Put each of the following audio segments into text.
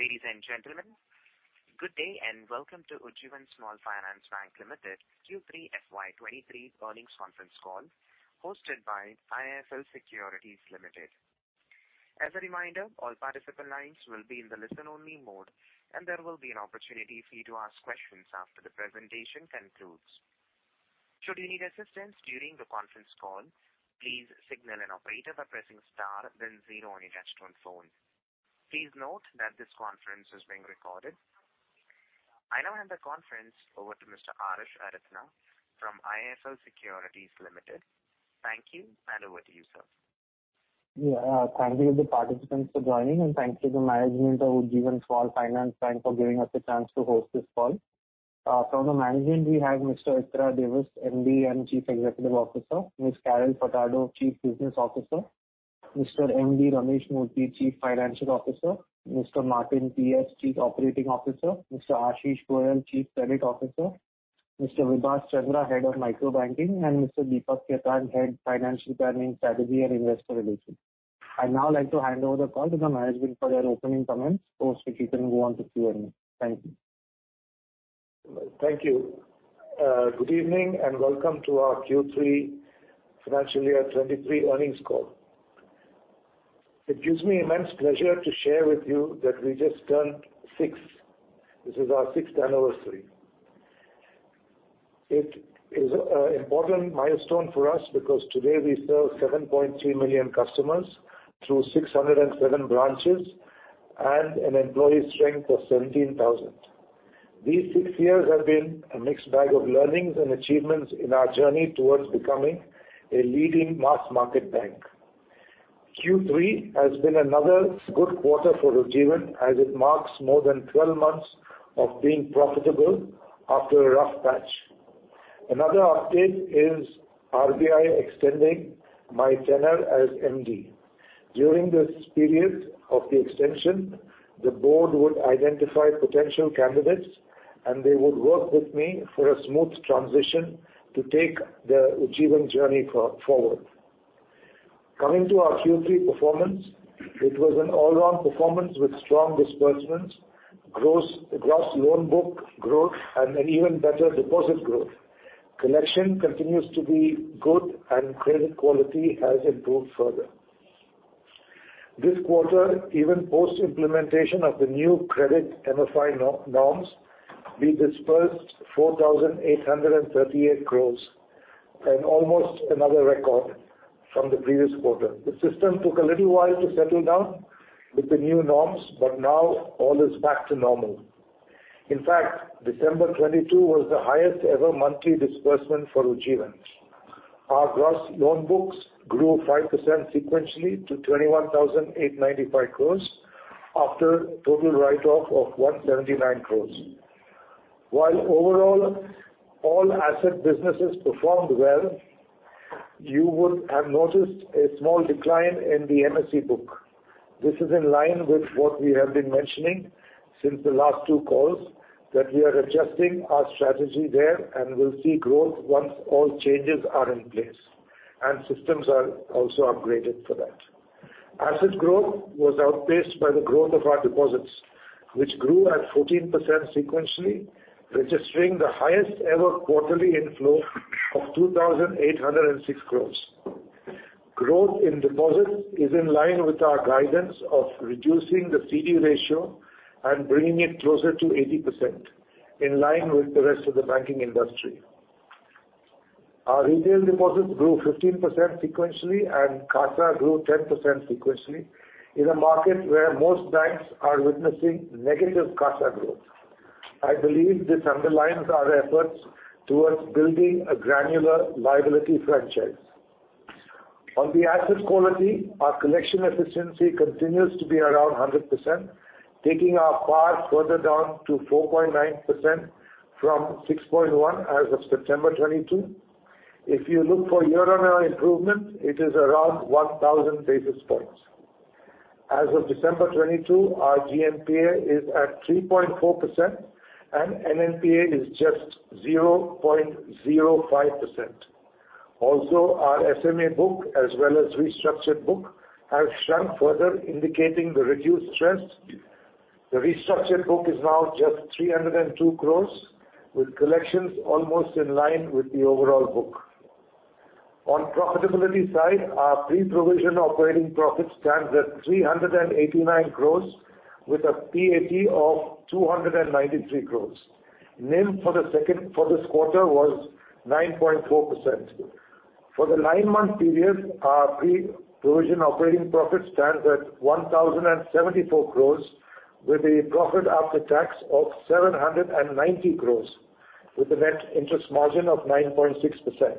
Ladies and gentlemen, good day, and welcome to Ujjivan Small Finance Bank Limited Q3 FY 2023 earnings conference call hosted by IIFL Securities Limited. As a reminder, all participant lines will be in the listen-only mode, and there will be an opportunity for you to ask questions after the presentation concludes. Should you need assistance during the conference call, please signal an operator by pressing star then zero on your touch-tone phone. Please note that this conference is being recorded. I now hand the conference over to Mr. Arash Arethna from IIFL Securities Limited. Thank you, and over to you, sir. Thank you to the participants for joining, and thank you to management of Ujjivan Small Finance Bank for giving us a chance to host this call. From the management, we have Mr. Ittira Davis, Managing Director & CEO; Ms. Carol Furtado, Chief Business Officer; Mr. Ramesh Murthy, Chief Financial Officer; Mr. Martin Pampilly, Chief Operating Officer; Mr. Ashish Goel, Chief Credit Officer; Mr. Vibhas Chandra, Head of Micro Banking; and Mr. Deepak Khetan, Head, Financial Planning, Strategy, and Investor Relations. I'd now like to hand over the call to the management for their opening comments post which we can go on to Q&A. Thank you. Thank you. Good evening, and welcome to our Q3 financial year 2023 earnings call. It gives me immense pleasure to share with you that we just turned six. This is our sixth anniversary. It is important milestone for us because today we serve 7.3 million customers through 607 branches and an employee strength of 17,000. These six years have been a mixed bag of learnings and achievements in our journey towards becoming a leading mass market bank. Q3 has been another good quarter for Ujjivan as it marks more than 12 months of being profitable after a rough patch. Another update is RBI extending my tenure as MD. During this period of the extension, the board would identify potential candidates, and they would work with me for a smooth transition to take the Ujjivan journey forward. Coming to our Q3 performance, it was an all-around performance with strong disbursements, gross loan book growth, an even better deposit growth. Collection continues to be good, credit quality has improved further. This quarter, even post-implementation of the new credit MFI no-norms, we disbursed 4,838 crores, an almost another record from the previous quarter. The system took a little while to settle down with the new norms, now all is back to normal. In fact, December 2022 was the highest ever monthly disbursement for Ujjivan. Our gross loan books grew 5% sequentially to 21,895 crores after total write-off of 179 crores. While overall, all asset businesses performed well, you would have noticed a small decline in the MSE book. This is in line with what we have been mentioning since the last two calls, that we are adjusting our strategy there and will see growth once all changes are in place and systems are also upgraded for that. Asset growth was outpaced by the growth of our deposits, which grew at 14% sequentially, registering the highest ever quarterly inflow of 2,806 crores. Growth in deposits is in line with our guidance of reducing the CD ratio and bringing it closer to 80% in line with the rest of the banking industry. Our retail deposits grew 15% sequentially, and CASA grew 10% sequentially in a market where most banks are witnessing negative CASA growth. I believe this underlines our efforts towards building a granular liability franchise. On the asset quality, our collection efficiency continues to be around 100%, taking our PAR further down to 4.9% from 6.1% as of September 2022. If you look for year-on-year improvement, it is around 1,000 basis points. As of December 2022, our GNPA is at 3.4%, and NNPA is just 0.05%. Our SMA book as well as restructured book has shrunk further, indicating the reduced stress. The restructured book is now just 302 crores, with collections almost in line with the overall book. On profitability side, our pre-provision operating profit stands at 389 crores with a PAT of 293 crores. NIM for this quarter was 9.4%. For the nine-month period, our pre-provision operating profit stands at 1,074 crores with a profit after tax of 790 crores with a net interest margin of 9.6%.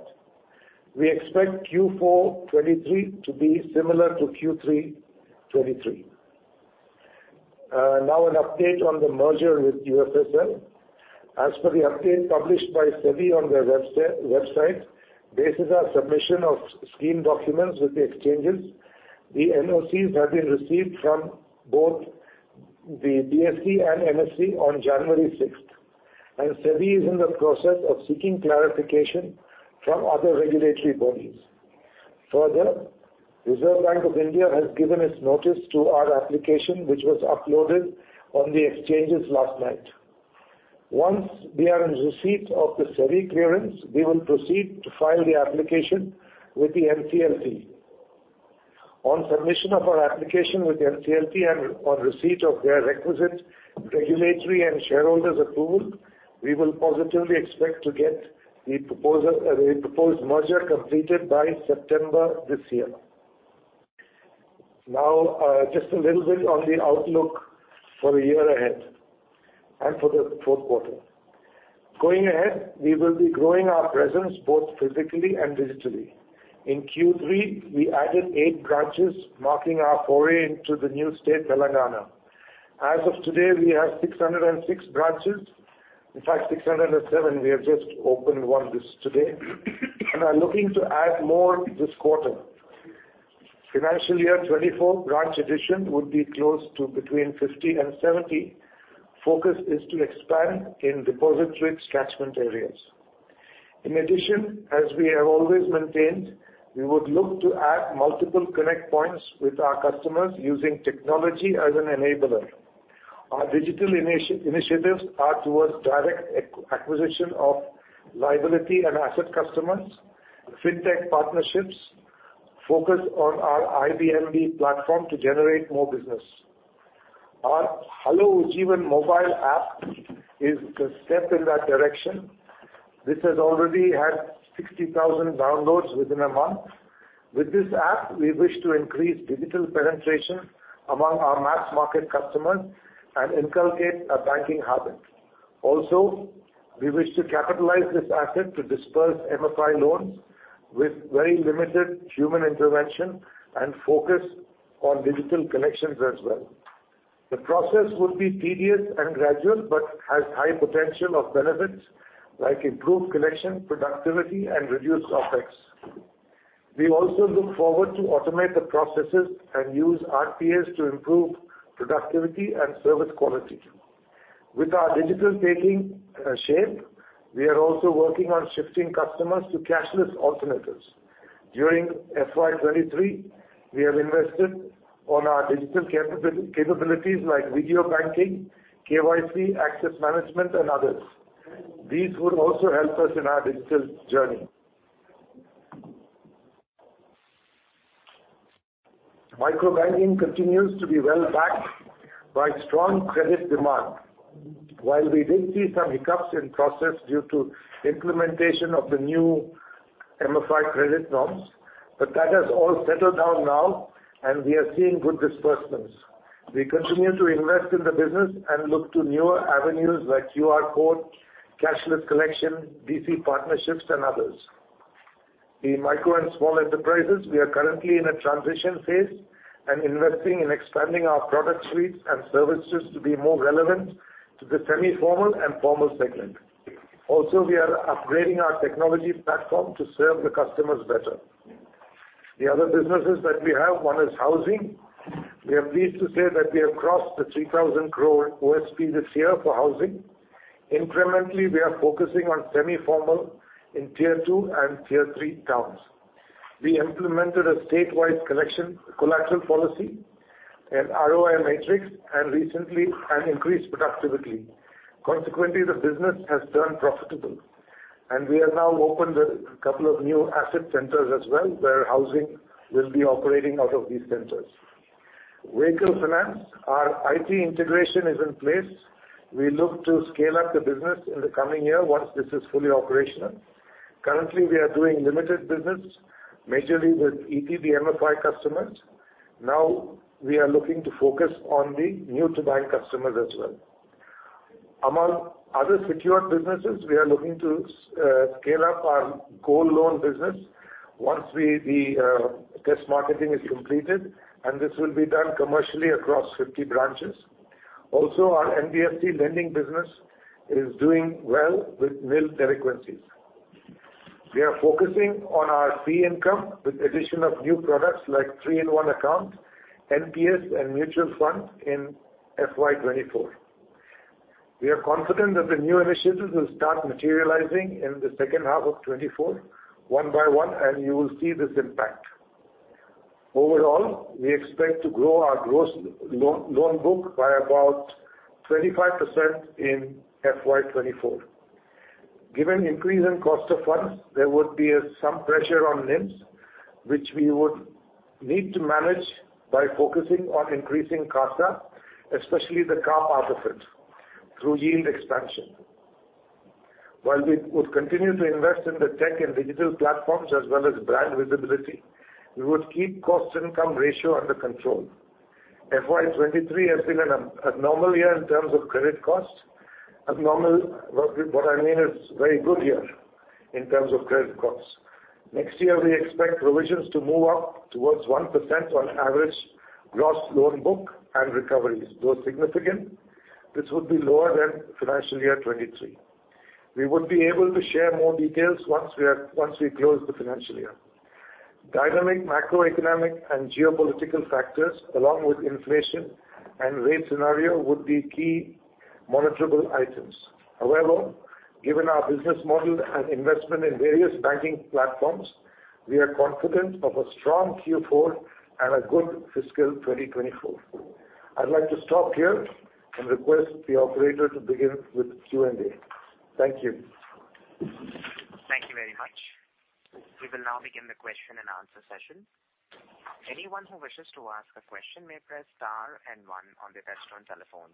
Now an update on the merger with UFL. As per the update published by SEBI on their website, basis our submission of scheme documents with the exchanges, the NOCs have been received from both the BSE and NSE on January 6, and SEBI is in the process of seeking clarification from other regulatory bodies. Further, Reserve Bank of India has given its notice to our application, which was uploaded on the exchanges last night. Once we are in receipt of the SEBI clearance, we will proceed to file the application with the NCLT. On submission of our application with the NCLT and on receipt of their requisite regulatory and shareholders approval, we will positively expect to get the proposed merger completed by September this year. Just a little bit on the outlook for the year ahead and for the fourth quarter. Going ahead, we will be growing our presence both physically and digitally. In Q3, we added eight branches, marking our foray into the new state Telangana. As of today, we have 606 branches. In fact, 607. We have just opened one just today and are looking to add more this quarter. Financial year 2024 branch addition would be close to between 50 and 70. Focus is to expand in deposit-rich catchment areas. In addition, as we have always maintained, we would look to add multiple connect points with our customers using technology as an enabler. Our digital initiatives are towards direct acquisition of liability and asset customers, fintech partnerships, focus on our IBMB platform to generate more business. Our Hello Ujjivan mobile app is a step in that direction. This has already had 60,000 downloads within a month. With this app, we wish to increase digital penetration among our mass market customers and inculcate a banking habit. We wish to capitalize this asset to disperse MFI loans with very limited human intervention and focus on digital connections as well. The process would be tedious and gradual, but has high potential of benefits like improved connection, productivity, and reduced OpEx. We also look forward to automate the processes and use RPAs to improve productivity and service quality. With our digital taking shape, we are also working on shifting customers to cashless alternatives. During FY 2023, we have invested on our digital capabilities like video banking, KYC, access management, and others. These would also help us in our digital journey. Micro banking continues to be well backed by strong credit demand. While we did see some hiccups in process due to implementation of the new MFI credit norms, but that has all settled down now and we are seeing good disbursements. We continue to invest in the business and look to newer avenues like QR code, cashless collection, BC partnerships, and others. In micro and small enterprises, we are currently in a transition phase and investing in expanding our product suites and services to be more relevant to the semi-formal and formal segment. Also, we are upgrading our technology platform to serve the customers better. The other businesses that we have, one is housing. We are pleased to say that we have crossed the 3,000 crore OSP this year for housing. Incrementally, we are focusing on semi-formal in Tier 2 and Tier 3 towns. We implemented a state-wise collection collateral policy, an ROI metrics, and recently an increased productivity. Consequently, the business has turned profitable, and we have now opened a couple of new asset centers as well, where housing will be operating out of these centers. Vehicle finance. Our IT integration is in place. We look to scale up the business in the coming year once this is fully operational. Currently, we are doing limited business, majorly with ETB MFI customers. Now we are looking to focus on the new to bank customers as well. Among other secured businesses, we are looking to scale up our gold loan business once the test marketing is completed, and this will be done commercially across 50 branches. Our NBFC lending business is doing well with nil delinquencies. We are focusing on our fee income with addition of new products like 3-in-1 Account, NPS, and mutual fund in FY 2024. We are confident that the new initiatives will start materializing in the second half of 2024 one by one, and you will see this impact. We expect to grow our gross loan book by about 25% in FY 2024. Given increase in cost of funds, there would be some pressure on NIMs, which we would need to manage by focusing on increasing CASA, especially the CA part of it, through yield expansion. While we would continue to invest in the tech and digital platforms as well as brand visibility, we would keep cost-to-income ratio under control. FY 2023 has been an abnormal year in terms of credit costs. Abnormal, what I mean is very good year in terms of credit costs. Next year, we expect provisions to move up towards 1% on average gross loan book and recoveries. Though significant, this would be lower than financial year 2023. We would be able to share more details once we close the financial year. Dynamic macroeconomic and geopolitical factors, along with inflation and rate scenario would be key monitorable items. However, given our business model and investment in various banking platforms, we are confident of a strong Q4 and a good fiscal 2024. I'd like to stop here and request the operator to begin with Q&A. Thank you. Thank you very much. We will now begin the question-and-answer session. Anyone who wishes to ask a question may press star and one on their touchtone telephone.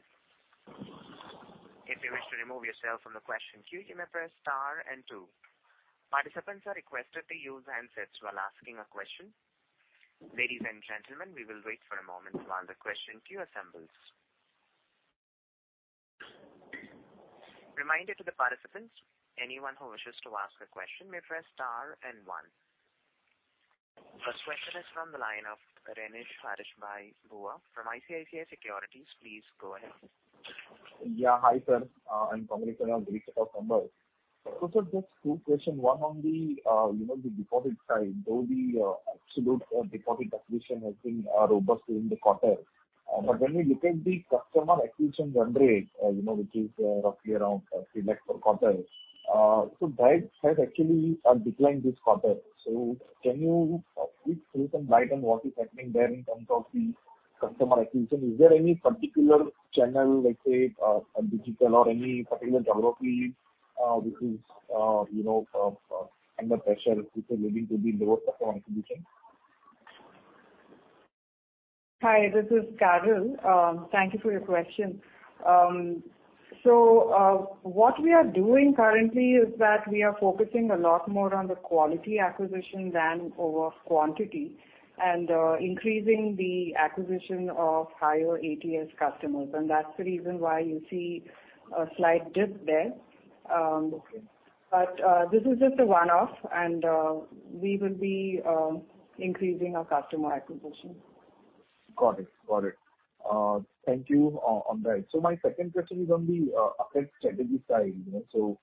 If you wish to remove yourself from the question queue, you may press star and two. Participants are requested to use handsets while asking a question. Ladies and gentlemen, we will wait for a moment while the question queue assembles. Reminder to the participants, anyone who wishes to ask a question may press star and one. First question is from the line of Renish Hareshbhai Bhuva from ICICI Securities. Please go ahead. Yeah. Hi, sir. And congrats on a great set of numbers. So sir, just two question. One on the, you know, the deposit side. Though the absolute deposit acquisition has been robust during the quarter, but when we look at the customer acquisition run rate, you know, which is roughly around 3 lakh per quarter, that has actually declined this quarter. Can you please throw some light on what is happening there in terms of the customer acquisition? Is there any particular channel, let's say, digital or any particular geography, which is, you know, under pressure which is leading to the lower customer acquisition? Hi, this is Carol. Thank you for your question. What we are doing currently is that we are focusing a lot more on the quality acquisition than over quantity and increasing the acquisition of higher ATS customers and that's the reason why you see a slight dip there. This is just a one-off and, we will be increasing our customer acquisition. Got it. Got it. Thank you. on that. My second question is on the asset strategy side. You know, so,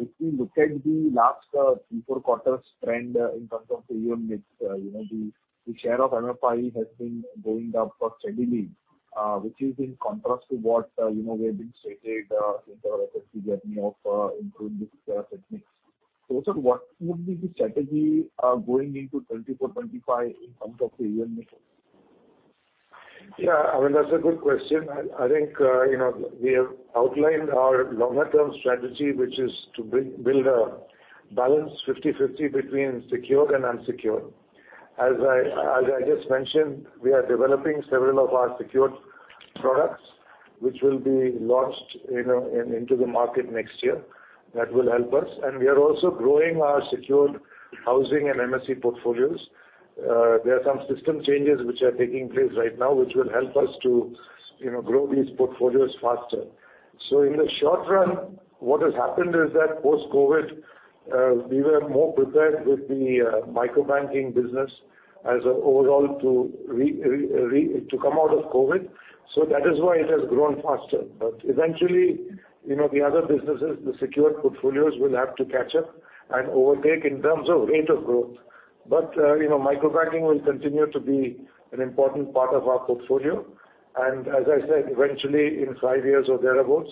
if we look at the last three, four quarters trend in terms of AUM mix, you know, the share of MFI has been going up steadily, which is in contrast to what, you know, we have been stating since our SFB journey of improving the asset mix. Sir, what would be the strategy going into 2024, 2025 in front of the AUM mix? Yeah, I mean, that's a good question. I think, you know, we have outlined our longer term strategy, which is to build a balance 50/50 between secured and unsecured. As I just mentioned, we are developing several of our secured products which will be launched, you know, into the market next year. That will help us. We are also growing our secured housing and MSE portfolios. There are some system changes which are taking place right now, which will help us to, you know, grow these portfolios faster. In the short run, what has happened is that post-COVID, we were more prepared with the micro-banking business as a overall to come out of COVID. That is why it has grown faster. Eventually, you know, the other businesses, the secured portfolios will have to catch up and overtake in terms of rate of growth. you know, micro-banking will continue to be an important part of our portfolio. As I said, eventually in five years or thereabouts,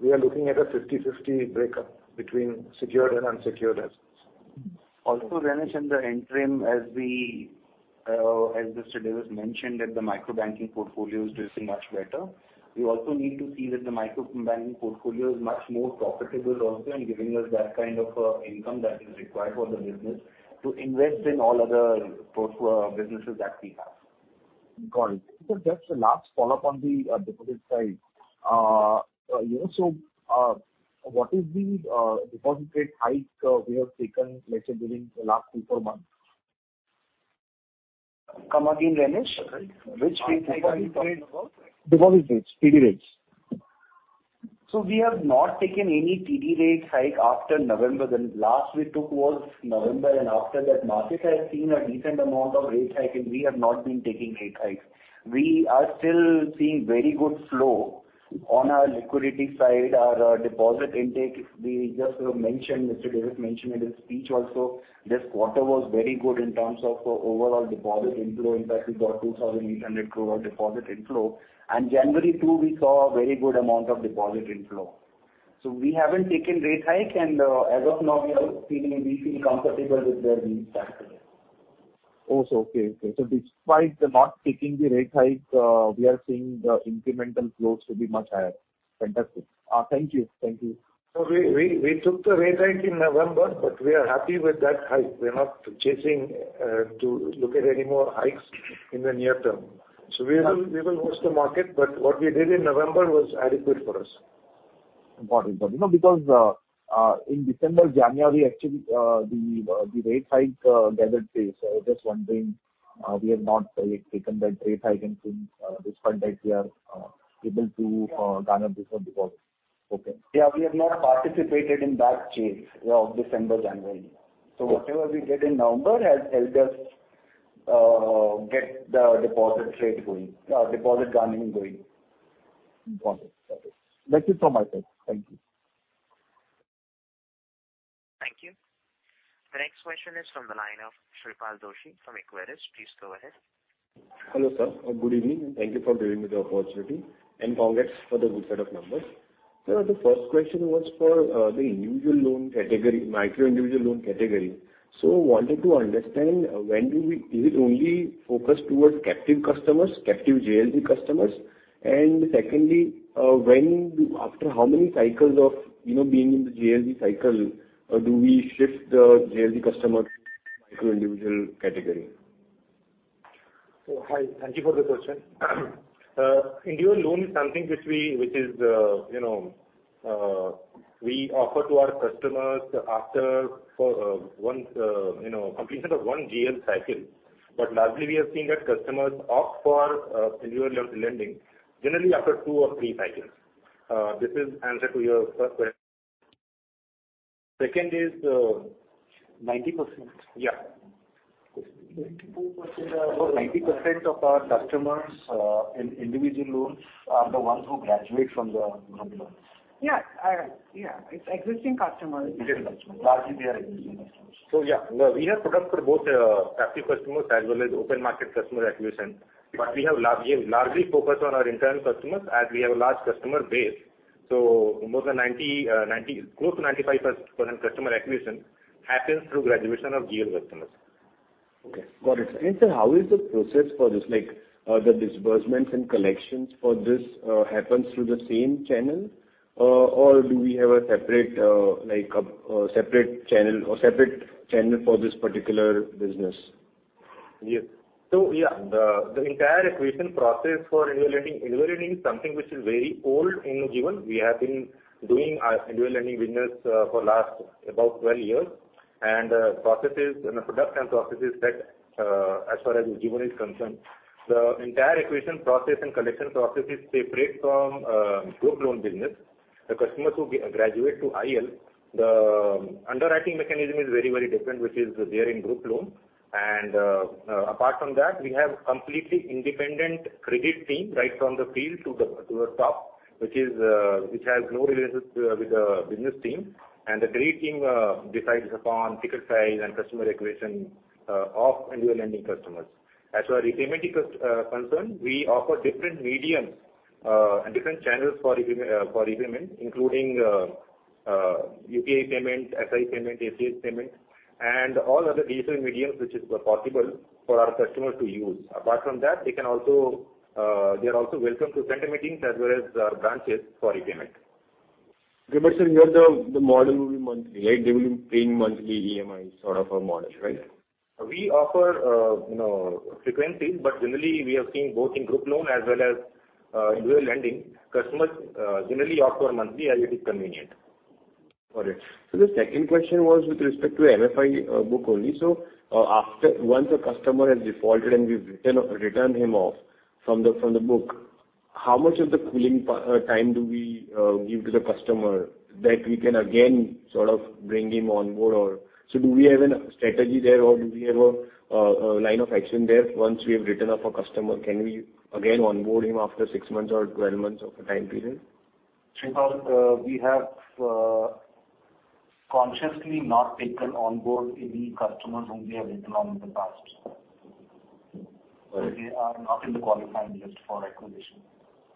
we are looking at a 50/50 breakup between secured and unsecured assets. Also Renish, in the interim, as we, as Mr. Davis mentioned that the micro-banking portfolio is doing much better, we also need to see that the micro-banking portfolio is much more profitable also and giving us that kind of, income that is required for the business to invest in all other businesses that we have. Got it. Just a last follow-up on the deposit side. You know, what is the deposit rate hike we have taken, let's say during the last three, four months? Come again, Renish. Which rate hike are you talking about? Deposit rates, TD rates. We have not taken any TD rate hike after November. The last we took was November and after that market has seen a decent amount of rate hiking. We have not been taking rate hikes. We are still seeing very good flow on our liquidity side, our deposit intake. We just mentioned, Mr. Davis mentioned in his speech also, this quarter was very good in terms of overall deposit inflow. In fact, we got 2,800 crore deposit inflow. January too, we saw a very good amount of deposit inflow. We haven't taken rate hike and as of now we feel comfortable with where we stand today. Okay. Okay. Despite not taking the rate hike, we are seeing the incremental flows to be much higher. Fantastic. Thank you. Thank you. We took the rate hike in November, but we are happy with that hike. We're not chasing to look at any more hikes in the near term. We will watch the market, but what we did in November was adequate for us. Got it. You know, because in December, January, actually, the rate hike gathered pace. I was just wondering, we have not taken that rate hike and since, despite that we are able to garner this deposit. Okay. Yeah. We have not participated in that chase of December, January. Whatever we get in November has helped us get the deposit rate going. Deposit garnering going. Got it. Got it. That's it from my side. Thank you. Thank you. The next question is from the line of Shreepal Doshi from Equirus. Please go ahead. Hello, sir. Good evening, and thank you for giving me the opportunity, and congrats for the good set of numbers. The first question was for the individual loan category, micro individual loan category. Wanted to understand, is it only focused towards captive customers, captive JLG customers? Secondly, after how many cycles of, you know, being in the JLG cycle, do we shift the JLG customer to individual category? Hi. Thank you for the question. Individual loan is something which we, which is, you know, we offer to our customers after completion of one JLG cycle. But largely we are seeing that customers opt for individual loan lending generally after two or three cycles. This is answer to your first question. Second question is? 90%. Yeah. 90% of our customers, in individual loans are the ones who graduate from the group loans. Yeah, yeah, it's existing customers. Existing customers. Largely they are existing customers. Yeah, we have products for both captive customers as well as open market customer acquisition, but we have largely focused on our internal customers as we have a large customer base. More than 90%, close to 95% customer acquisition happens through graduation of JLG customers. Okay. Got it. Sir, how is the process for this? Like, the disbursements and collections for this happens through the same channel? Or do we have a separate like a separate channel for this particular business? Yes. The entire acquisition process for individual lending is something which is very old in Ujjivan. We have been doing our individual lending business for last about 12 years. Processes and the product and processes that as far as Ujjivan is concerned, the entire acquisition process and collection processes, they break from group loan business. The customers who graduate to individual lending, the underwriting mechanism is very, very different, which is there in group loan. Apart from that, we have completely independent credit team, right from the field to the top, which has no relations with the business team. The credit team decides upon ticket size and customer acquisition of individual lending customers. As far as repayment is concerned, we offer different mediums and different channels for repayment, including UPI payment, SI payment, ACH payment, and all other recent mediums which is possible for our customers to use. Apart from that, they can also, they are also welcome to center meetings as well as branches for repayment. Sir, here the model will be monthly, right? They will be paying monthly EMI sort of a model, right? We offer, you know, frequencies, but generally we have seen both in group loan as well as individual lending, customers generally opt for monthly as it is convenient. Got it. The second question was with respect to MFI book only. After once a customer has defaulted and we've written him off from the from the book, how much of the cooling time do we give to the customer that we can again sort of bring him on board? Do we have a strategy there, or do we have a line of action there? Once we have written off a customer, can we again onboard him after six months or 12 months of a time period? Shreepal, we have consciously not taken on board any customers whom we have written off in the past. All right. They are not in the qualifying list for acquisition.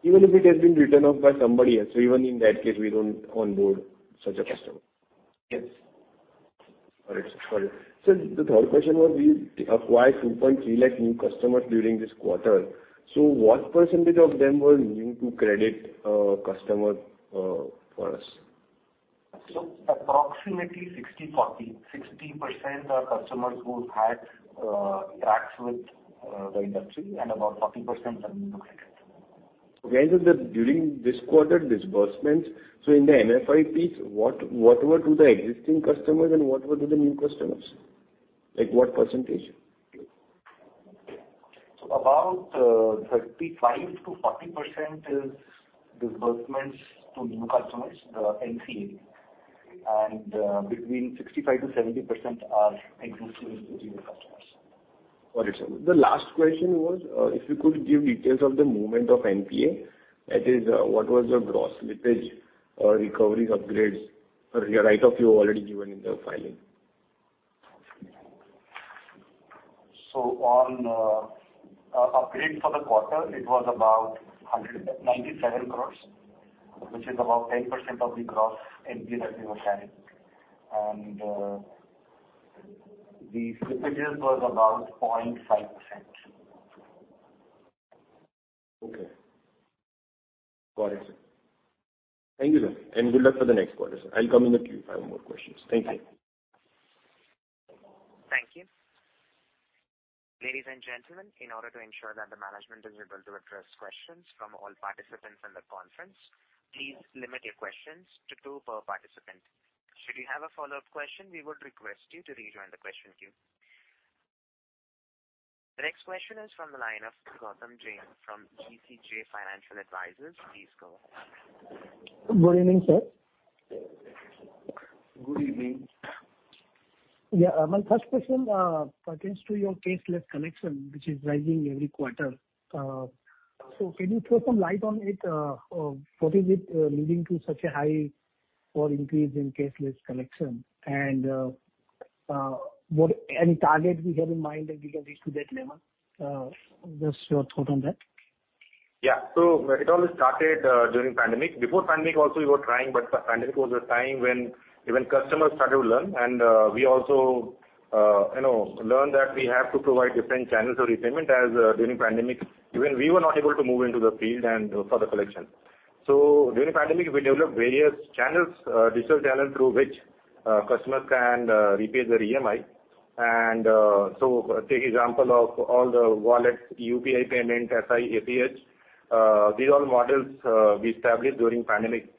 Even if it has been written off by somebody else, even in that case, we don't onboard such a customer? Yes. All right. Got it. Sir, the third question was we acquired 2.3 lakh new customers during this quarter. What percentage of them were new to credit customers for us? Approximately 60/40. 60% are customers who had tracks with the industry and about 40% are new to credit. Okay. During this quarter disbursements, in the MFI piece, what were to the existing customers and what were to the new customers? Like what percentage? About, 35% to 40% is disbursements to new customers, the NCA. Between 65% to 70% are existing Ujjivan customers. Got it, sir. The last question was, if you could give details of the movement of NPA. That is, what was the gross slippage or recoveries upgrades? Or your write-off, you already given in the filing. On upgrade for the quarter, it was about 197 crores, which is about 10% of the gross NPA that we were carrying. The slippages was about 0.5%. Okay. Got it. Thank you, sir. Good luck for the next quarter, sir. I'll come in the queue if I have more questions. Thank you. Thank you. Ladies and gentlemen, in order to ensure that the management is able to address questions from all participants in the conference, please limit your questions to two per participant. Should you have a follow-up question, we would request you to rejoin the question queue. The next question is from the line of Gautam Jain from GCJ Financial Advisors. Please go ahead. Good evening, sir. Good evening. Yeah. My first question pertains to your cashless collection, which is rising every quarter. Can you throw some light on it? What is it leading to such a high or increase in cashless collection? Any target we have in mind that we can reach to that level? Just your thought on that. Yeah. It all started during pandemic. Before pandemic also we were trying, but the pandemic was a time when even customers started to learn. We also, you know, learned that we have to provide different channels of repayment as during pandemic, even we were not able to move into the field and for the collection. During pandemic, we developed various channels, digital channel through which customers can repay their EMI. Take example of all the wallets, UPI payment, SI, ACH. These are all models we established during pandemic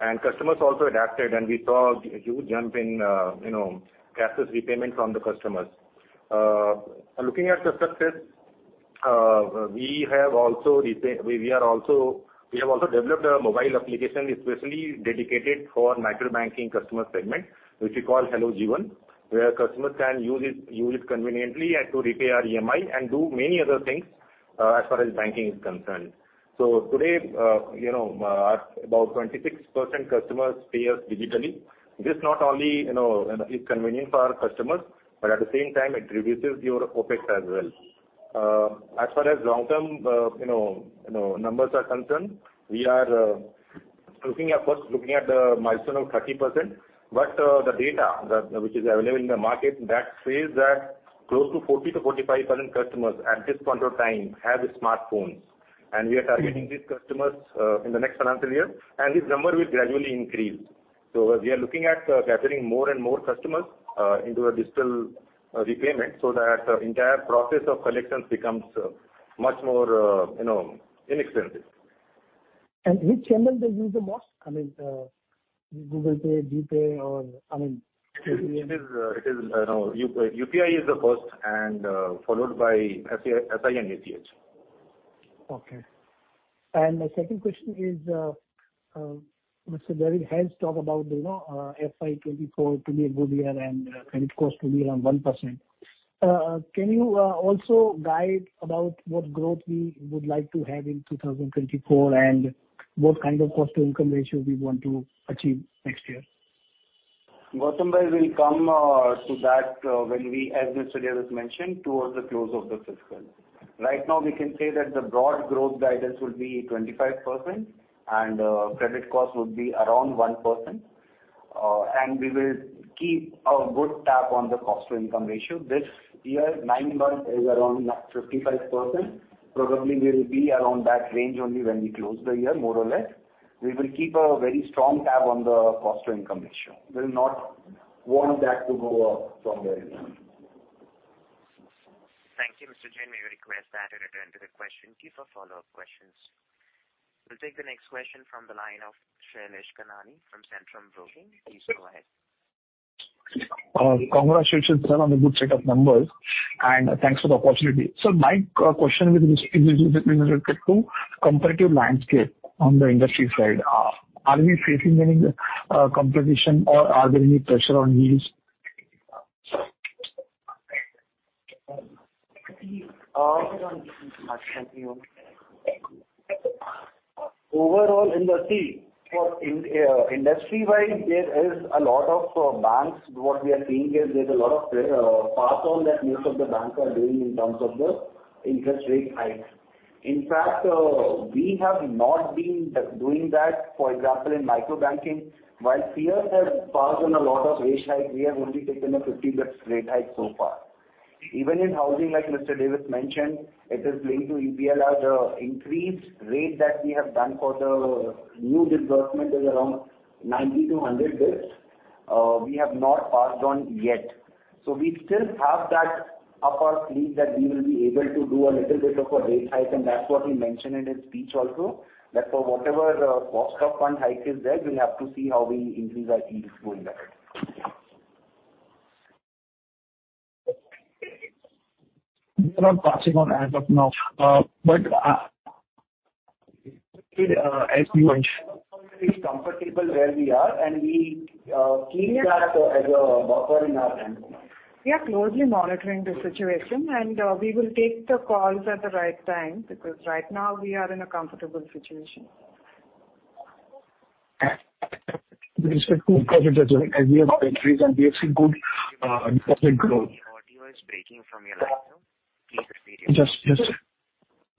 and customers also adapted, and we saw a huge jump in, you know, cashless repayment from the customers. Looking at the success, we have also repay... We have also developed a mobile application especially dedicated for micro-banking customer segment, which we call Hello Ujjivan, where customers can use it conveniently and to repay our EMI and do many other things, as far as banking is concerned. Today, you know, about 26% customers pay us digitally. This not only, you know, is convenient for our customers, but at the same time it reduces your OpEx as well. As far as long term, you know, numbers are concerned, we are looking at the milestone of 30%. The data available in the market says that close to 40%-45% customers at this point of time have smartphones and we are targeting these customers, in the next financial year. This number will gradually increase. We are looking at gathering more and more customers into a digital repayment so that entire process of collections becomes much more, you know, inexpensive. Which channel they use the most? I mean, Google Pay, GPay or, I mean... It is, you know, UPI is the first and, followed by SI and ACH. Okay. My second question is, Mr. Davis has talked about, you know, FY 2024 to be a good year and credit cost to be around 1%. Can you also guide about what growth we would like to have in 2024 and what kind of cost-to-income ratio we want to achieve next year? Gautam bhai, we'll come to that when we, as Mr. Davis has mentioned, towards the close of the fiscal. Right now we can say that the broad growth guidance will be 25% and credit cost would be around 1%. We will keep a good tab on the cost-to-income ratio. This year, nine months is around 55%. Probably we will be around that range only when we close the year, more or less. We will keep a very strong tab on the cost-to-income ratio. We will not want that to go up from where it is now. Thank you. Mr. Jain. May we request that you return to the question queue for follow-up questions. We'll take the next question from the line of Shailesh Kanani from Centrum Broking. Please go ahead. Congratulations on the good set of numbers and thanks for the opportunity. So my question with respect to competitive landscape on the industry side. Are we facing any competition or are there any pressure on yields? Please speak closer to the mic so that we all can hear. Overall industry, for industry wide, there is a lot of banks. What we are seeing is there's a lot of pass-through that most of the banks are doing in terms of the interest rate hikes. In fact, we have not been doing that. For example, in micro-banking, while peers have passed on a lot of rate hike, we have only taken a 50 basis points rate hike so far. Even in housing, like Mr. Davis mentioned, it is going to EBLR. The increased rate that we have done for the new disbursement is around 90 to 100 basis points, we have not passed on yet. We still have that up our sleeve that we will be able to do a little bit of a rate hike, and that's what he mentioned in his speech also, that for whatever the cost of fund hike is there, we'll have to see how we increase our fees going ahead. We're not passing on as of now, but, as you mentioned- We are very comfortable where we are. We keep that as a buffer in our hands. We are closely monitoring the situation, and we will take the calls at the right time because right now we are in a comfortable situation. With respect to deposits as well as we have increased our deposit good, deposit growth. The audio is breaking from your line, sir. Please repeat your question. Just.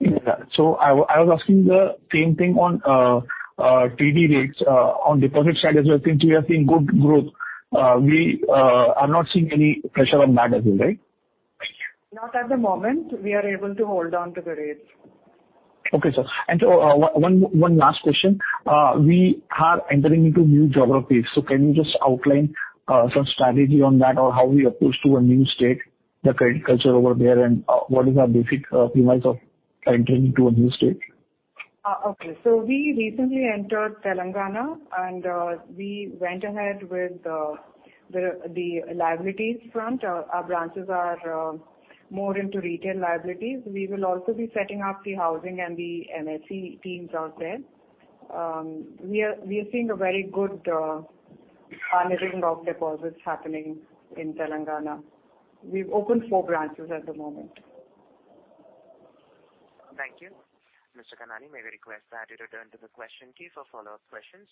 Yeah. I was asking the same thing on TD rates on deposit side as well. Since we are seeing good growth, we are not seeing any pressure on that as well, right? Not at the moment. We are able to hold on to the rates. Okay, sir. One last question? We are entering into new geographies, so can you just outline some strategy on that or how we approach to a new state, the credit culture over there, and what is our basic premise of entering into a new state? Okay. We recently entered Telangana and we went ahead with the liabilities front. Our branches are more into retail liabilities. We will also be setting up the housing and the MSE teams out there. We are seeing a very good harvesting of deposits happening in Telangana. We've opened four branches at the moment. Thank you. Mr. Kanani, may we request that you return to the question queue for follow-up questions.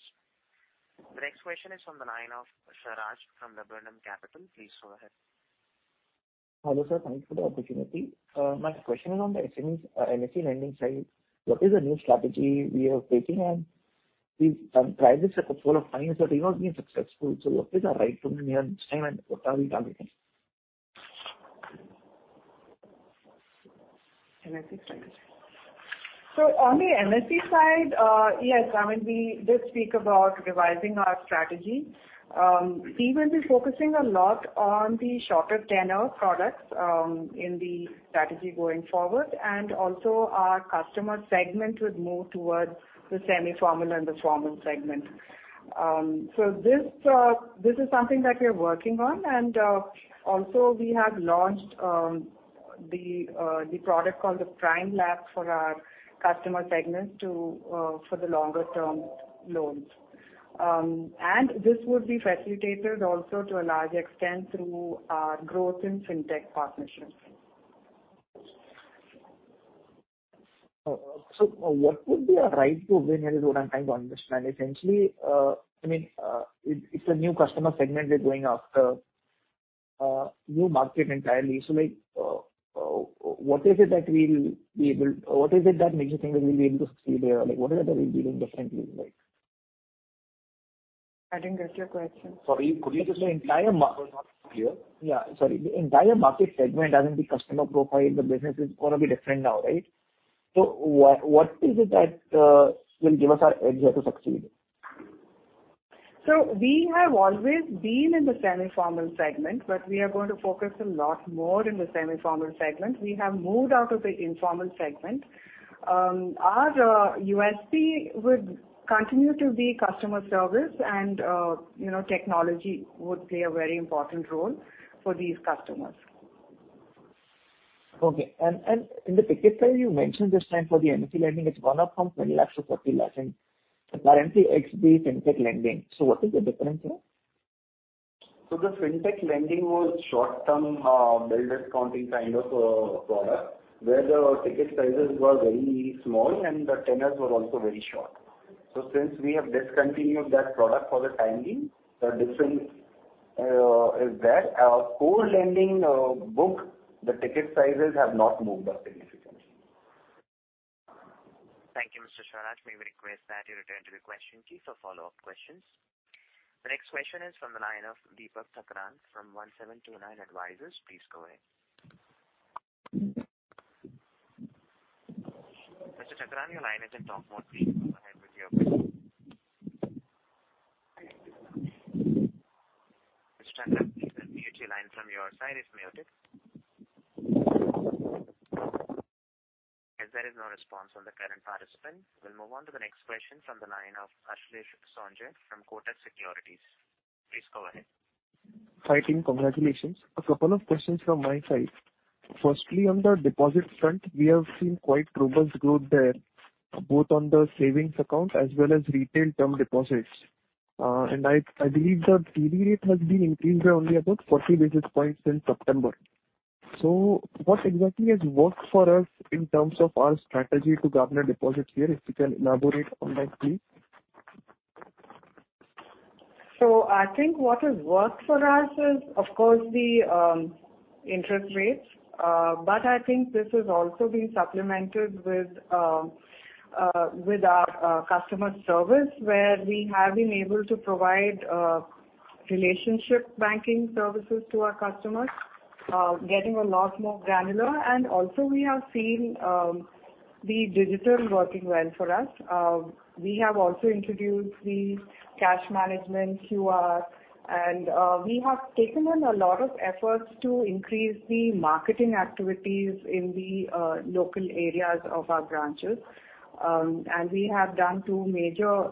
The next question is from the line of Suraj from Laburnum Capital. Please go ahead. Hello, sir. Thank you for the opportunity. My question is on the MSE lending side. What is the new strategy we are taking on? We've tried this a couple of times, but we've not been successful. What is our right to win here and what are we targeting? On the MSE side, yes, I mean, we did speak about revising our strategy. We will be focusing a lot on the shorter tenure products in the strategy going forward. Also our customer segment would move towards the semi-formal and the formal segment. This is something that we are working on. Also we have launched the product called the Prime LAP for our customer segments to for the longer term loans. This would be facilitated also to a large extent through our growth in fintech partnerships. What would be our right to win here is what I'm trying to understand. Essentially, I mean, it's a new customer segment we're going after, new market entirely. Like, what is it that makes you think that we'll be able to succeed there? Like, what is it that we'll be doing differently, like? I didn't get your question. Sorry. Could you just-? The entire market- Yeah. Sorry. The entire market segment and the customer profile, the business is gonna be different now, right? What is it that will give us our edge here to succeed? We have always been in the semi-formal segment, but we are going to focus a lot more in the semi-formal segment. We have moved out of the informal segment. Our USP would continue to be customer service and, you know, technology would play a very important role for these customers. Okay. In the ticket size you mentioned this time for the MSE lending, it's gone up from 20 lakhs to 40 lakhs and apparently it's the fintech lending. What is the difference here? The fintech lending was short-term, bill discounting kind of a product, where the ticket sizes were very small and the tenures were also very short. Since we have discontinued that product for the time being, the difference is there. Our core lending book, the ticket sizes have not moved up significantly. Thank you, Mr. Suraj. May we request that you return to the question queue for follow-up questions. The next question is from the line of Deepak Thakran from 1729 Advisors. Please go ahead. Mr. Thakran, your line is in talk mode. Please go ahead with your question. Mr. Thakran, please unmute your line from your side. It's muted. As there is no response from the current participant, we'll move on to the next question from the line of Ashlesh Sonje from Kotak Securities. Please go ahead. Hi, team. Congratulations. A couple of questions from my side. Firstly, on the deposit front, we have seen quite robust growth there, both on the savings account as well as retail term deposits. I believe the TD rate has been increased by only about 40 basis points since September. What exactly has worked for us in terms of our strategy to garner deposits here? If you can elaborate on that, please. I think what has worked for us is of course the interest rates. I think this has also been supplemented with our customer service, where we have been able to provide relationship banking services to our customers, getting a lot more granular. Also we have seen the digital working well for us. We have also introduced the cash management QR, and we have taken in a lot of efforts to increase the marketing activities in the local areas of our branches. We have done two major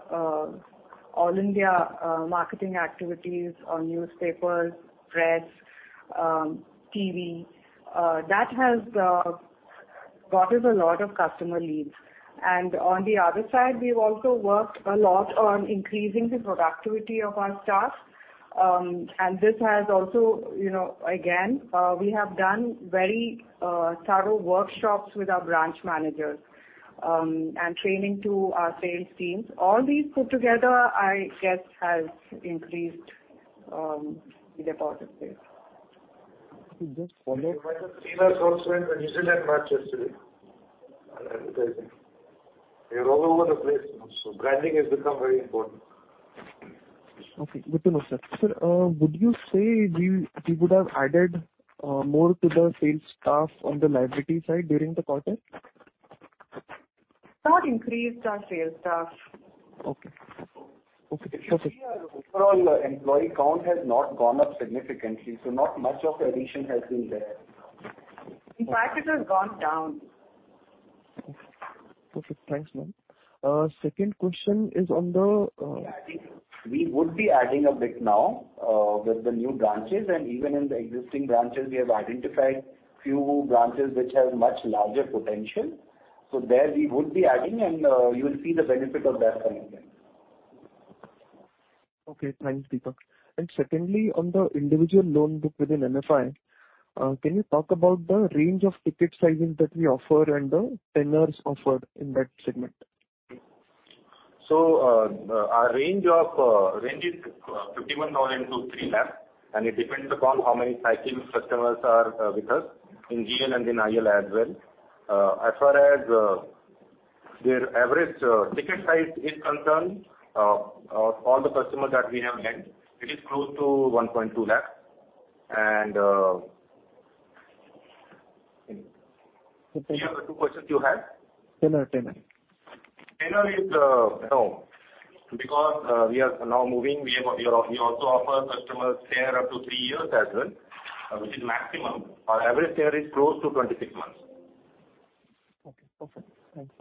all India marketing activities on newspapers, press, TV. That has gotten a lot of customer leads. On the other side, we've also worked a lot on increasing the productivity of our staff. This has also, you know, again, we have done very thorough workshops with our branch managers, and training to our sales teams. All these put together, I guess, has increased the deposit base. Just follow- You might have seen us also in the New Zealand match yesterday, our advertising. They're all over the place. So, branding has become very important. Okay. Good to know, sir. Sir, would you say you would have added more to the sales staff on the liability side during the quarter? We've not increased our sales staff. Okay. Okay. If you see our overall employee count has not gone up significantly, so not much of addition has been there. In fact, it has gone down. Okay. Perfect. Thanks, ma'am. Second question is on the. We would be adding a bit now, with the new branches and even in the existing branches, we have identified few branches which have much larger potential. There we would be adding and, you will see the benefit of that coming in. Okay. Thanks, Deepak. Secondly, on the individual loan book within MFI, can you talk about the range of ticket sizing that we offer and the tenures offered in that segment? Our range is 51,000 to 3 lakh. It depends upon how many existing customers are with us in GL and in IL as well. As far as their average ticket size is concerned, all the customers that we have lent, it is close to 1.2 lakh. These are the two questions you had? Tenor. Tenor is, you know, because, we are now moving, we have, we also offer customers tenor up to three years as well, which is maximum. Our average tenor is close to 26 months. Okay, perfect. Thanks.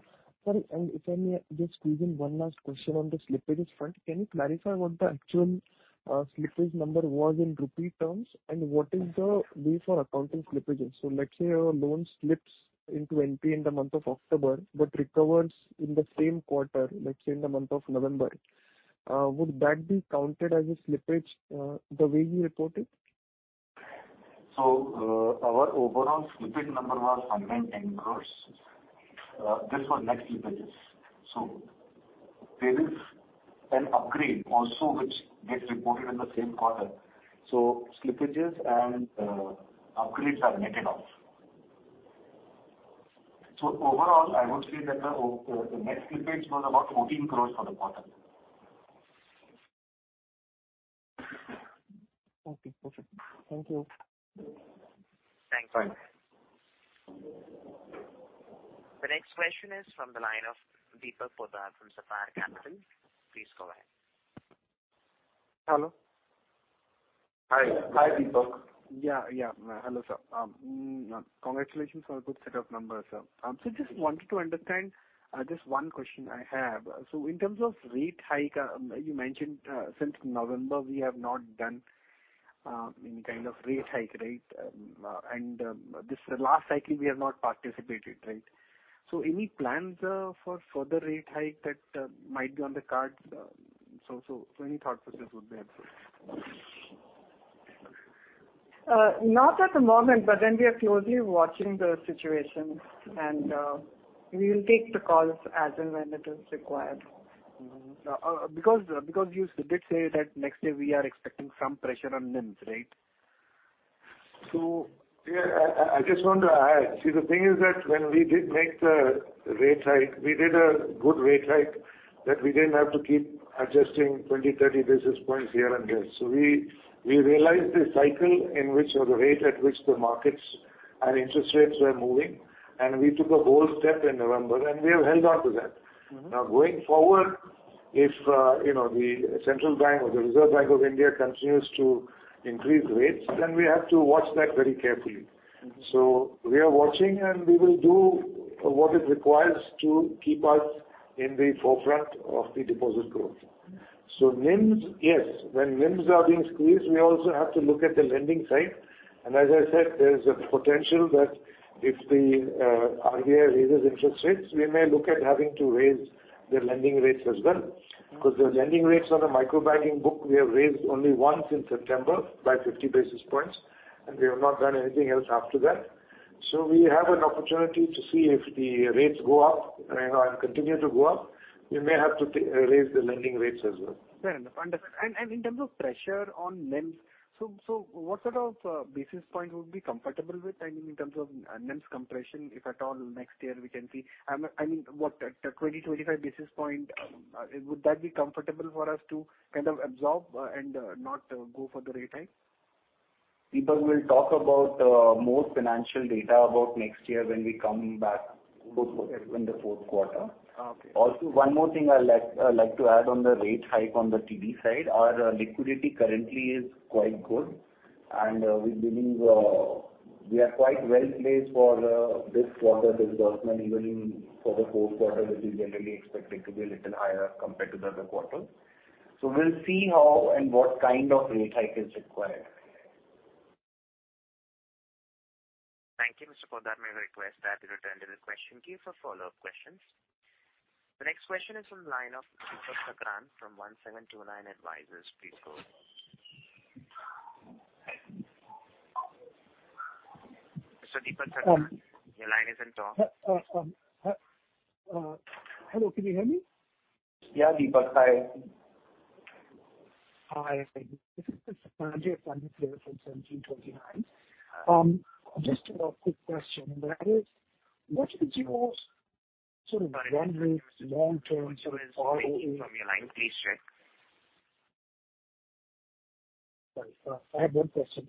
Sorry, if I may just squeeze in one last question on the slippages front. Can you clarify what the actual slippage number was in rupee terms, and what is the way for accounting slippages? Let's say your loan slips in 20th in the month of October, but recovers in the same quarter, let's say in the month of November, would that be counted as a slippage the way you report it? Our overall slippage number was 110 crores. This was net slippages. There is an upgrade also which gets reported in the same quarter. Slippages and upgrades are netted off. Overall, I would say that the net slippage was about 14 crores for the quarter. Okay, perfect. Thank you. Thanks. The next question is from the line of Deepak Poddar from Sapphire Capital. Please go ahead. Hello. Hi. Hi, Deepak. Yeah. Hello, sir. Congratulations on a good set of numbers, sir. Just wanted to understand, just one question I have. In terms of rate hike, you mentioned since November, we have not done any kind of rate hike, right? This last cycle we have not participated, right? Any plans for further rate hike that might be on the cards? Any thought process would be helpful. Not at the moment, we are closely watching the situation and we will take the calls as and when it is required. Because you did say that next year we are expecting some pressure on NIMs, right? Yeah, I just want to add. The thing is that when we did make the rate hike, we did a good rate hike that we didn't have to keep adjusting 20, 30 basis points here and there. We realized the cycle in which or the rate at which the markets and interest rates were moving, and we took a bold step in November, and we have held on to that. going forward, if, you know, the central bank or the Reserve Bank of India continues to increase rates, then we have to watch that very carefully. We are watching, and we will do what it requires to keep us in the forefront of the deposit growth. NIMs, yes. When NIMs are being squeezed, we also have to look at the lending side. As I said, there's a potential that if the RBI raises interest rates, we may look at having to raise the lending rates as well. The lending rates on the micro banking book, we have raised only once in September by 50 basis points, and we have not done anything else after that. We have an opportunity to see if the rates go up and continue to go up, we may have to raise the lending rates as well. Fair enough. Understood. In terms of pressure on NIMs, so what sort of basis point would be comfortable with? I mean, in terms of NIMs compression, if at all next year we can see. I mean, what, 20-25 basis point, would that be comfortable for us to kind of absorb and not go for the rate hike? Deepak, we'll talk about, more financial data about next year when we come back in the fourth quarter. Okay. One more thing I'd like to add on the rate hike on the TD side. Our liquidity currently is quite good, and we believe we are quite well placed for this quarter disbursement even for the fourth quarter, which is generally expected to be a little higher compared to the other quarters. We'll see how and what kind of rate hike is required. Thank you, Mr. Poddar. May I request that you return to the question queue for follow-up questions. The next question is from the line of Deepak Thakran from 1729 Advisors. Please go ahead. Mr. Deepak Thakran, your line is on talk. Hello, can you hear me? Yeah, Deepak. Hi. Hi. This is Deepak Thakran here from 1729. Just a quick question. That is, what is your sort of long range, long-term— Sorry to interrupt you, sir. One two is beeping from your line. Please check. Sorry. I have one question.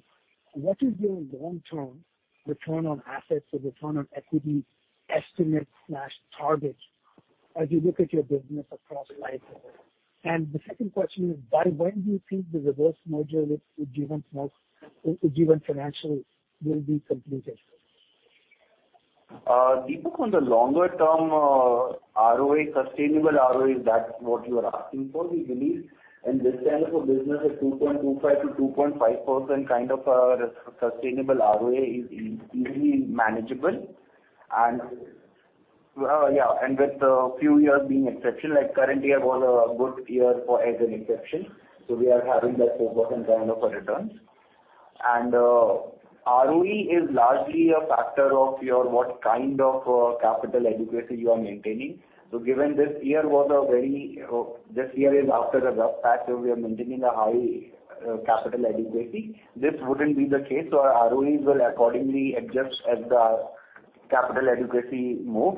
What is your long-term return on assets or return on equity estimate slash target as you look at your business across lifecycle? The second question is, by when do you think the reverse merger with Ujjivan Financial will be completed? Deepak, on the longer term ROA, sustainable ROA, is that what you are asking for? We believe in this kind of a business, a 2.25%-2.5% kind of a sustainable ROA is easily manageable. With a few years being exceptional, like currently year was a good year for as an exception. We are having that 4% kind of a returns. ROE is largely a factor of your what kind of capital adequacy you are maintaining. Given this year was a very, this year is after the rough patch where we are maintaining a high capital adequacy, this wouldn't be the case. Our ROEs will accordingly adjust as the capital adequacy move.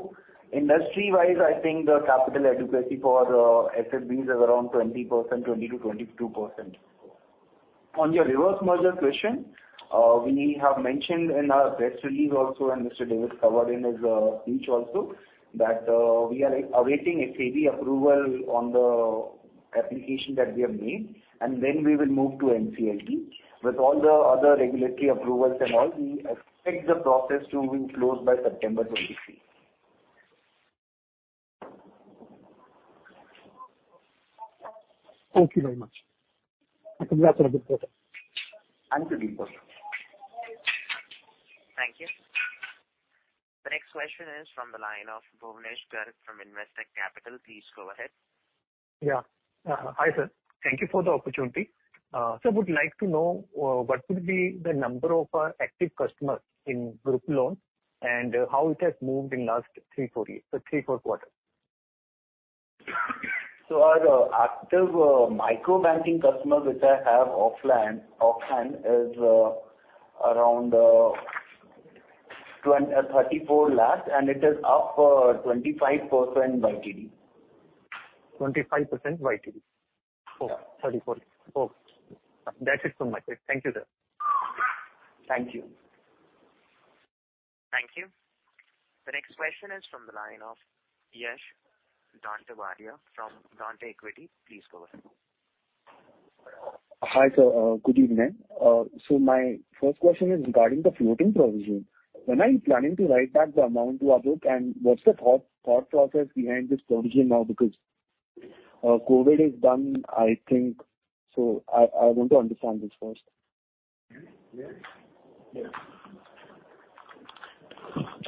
Industry-wise, I think the capital adequacy for SFBs is around 20%, 20%-22%. On your reverse merger question, we have mentioned in our press release also, and Mr. Davis covered in his speech also, that we are awaiting SEBI approval on the application that we have made, and then we will move to NCLT. With all the other regulatory approvals and all, we expect the process to be closed by September 2023. Thank you very much. Congrats on a good quarter. Thank you, Deepak. Thank you. The next question is from the line of Bhuvnesh Garg from Investec Capital. Please go ahead. Yeah. Hi, sir. Thank you for the opportunity. Would like to know what could be the number of our active customers in group loans and how it has moved in last three, four years, so three, four quarters? Our active micro-banking customers, which I have off-hand, is around 34 lakhs, and it is up 25% YTD. 25% YTD? Yeah. Oh, okay. That's it from my side. Thank you, sir. Thank you. Thank you. The next question is from the line of Yash Dantewadia from Dante Equity. Please go ahead. Hi, sir. Good evening. My first question is regarding the floating provision. When are you planning to write back the amount to our book, and what's the thought process behind this provision now? Because COVID is done, I think, so I want to understand this first.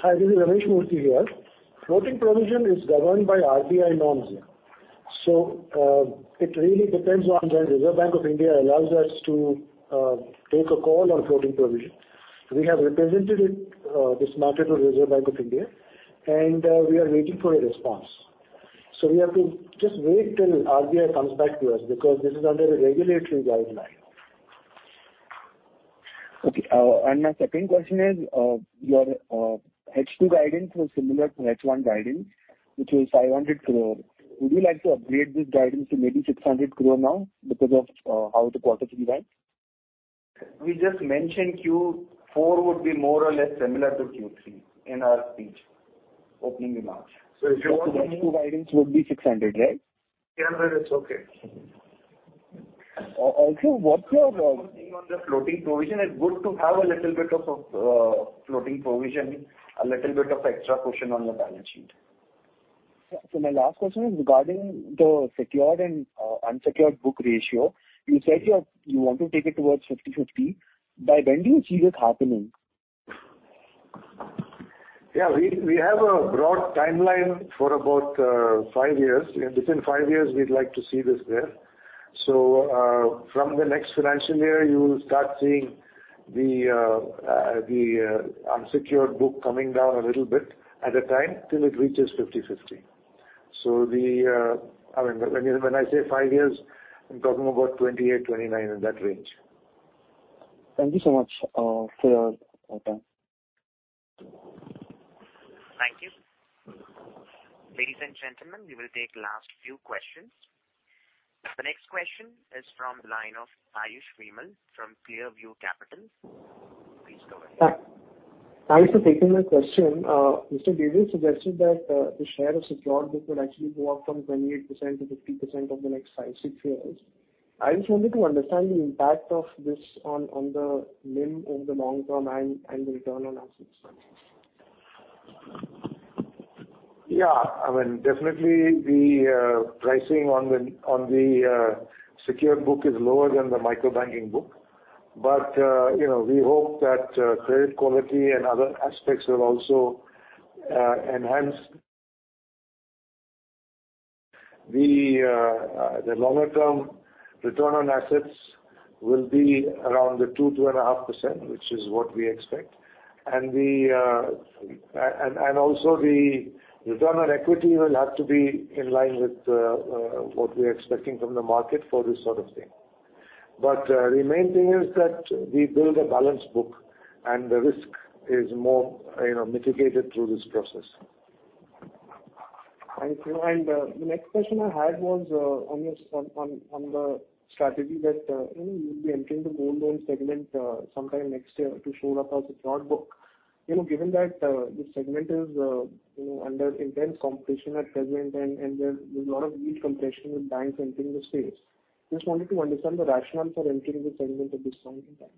Hi, this is Ramesh Murthy here. Floating provision is governed by RBI norms. It really depends on when Reserve Bank of India allows us to take a call on floating provision. We have represented it this matter to Reserve Bank of India, and we are waiting for a response. We have to just wait till RBI comes back to us because this is under a regulatory guideline. Okay. My second question is, your H2 guidance was similar to H1 guidance, which was 500 crore. Would you like to upgrade this guidance to maybe 600 crore now because of, how the quarter three went? We just mentioned Q4 would be more or less similar to Q3 in our speech opening remarks. H2 guidance would be 600 crore, right? Yeah. That is okay. Also, what's your— On the floating provision, it's good to have a little bit of floating provision, a little bit of extra cushion on your balance sheet. My last question is regarding the secured and unsecured book ratio. You said you want to take it towards 50/50. By when do you see this happening? Yeah. We have a broad timeline for about five years. Within five years, we'd like to see this there. From the next financial year, you will start seeing the unsecured book coming down a little bit at a time till it reaches 50/50. I mean, when I say five years, I'm talking about 2028-2029, in that range. Thank you so much for your time. Thank you. Ladies and gentlemen, we will take last few questions. The next question is from line of Ayush Vimal from Clearview Capital. Please go ahead. Hi. Thanks for taking my question. Mr. Davis suggested that the share of secured book would actually go up from 28% to 50% over the next five to six years. I just wanted to understand the impact of this on the NIM over the long term and the return on assets. Yeah. I mean, definitely the pricing on the on the secured book is lower than the micro banking book. You know, we hope that credit quality and other aspects will also enhance. The longer term return on assets will be around the 2.5%, which is what we expect. Also the return on equity will have to be in line with what we're expecting from the market for this sort of thing. The main thing is that we build a balanced book and the risk is more, you know, mitigated through this process. Thank you. The next question I had was, on your, on the strategy that, you know, you'll be entering the gold loan segment, sometime next year to shore up our secured book. You know, given that, this segment is, you know, under intense competition at present and there's a lot of yield compression with banks entering the space. Just wanted to understand the rationale for entering this segment at this point in time.